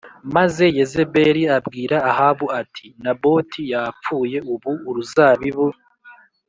maze Yezebeli abwira Ahabu ati Naboti yapfuye Ubu uruzabibu